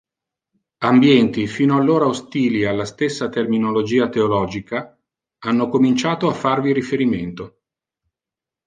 Ambienti fino allora ostili alla stessa terminologia teologica, hanno cominciato a farvi riferimento.